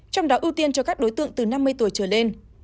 trong đó ưu tiên cho các đối tượng từ năm mươi tuổi trở lên